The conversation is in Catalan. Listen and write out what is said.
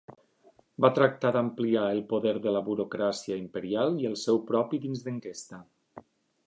Va tractar d'ampliar el poder de la burocràcia imperial, i el seu propi dins d'aquesta.